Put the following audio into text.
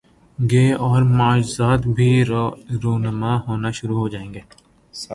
گے اور معجزات بھی رونما ہونا شرو ع ہو جائیں گے۔